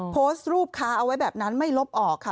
โพสต์รูปค้าเอาไว้แบบนั้นไม่ลบออกค่ะ